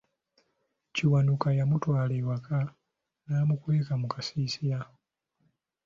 Kiwanuka yamutwala ewaka n'amukweka mu kasiisira.